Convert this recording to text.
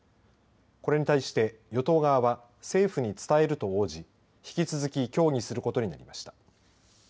これに対して与党側は政府に伝えると応じ引き続き協議することになりました。